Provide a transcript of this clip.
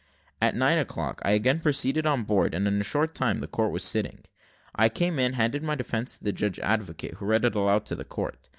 At nine o'clock I again proceeded on board, and, in a short time, the court was sitting. I came in, handed my defence to the judge advocate, who read it aloud to the court.